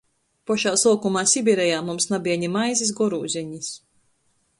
Pošā suokumā Sibirejā mums nabeja ni maizis gorūzenis...